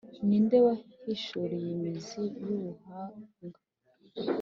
Ni nde wahishuriwe imizi y’ubuhanga?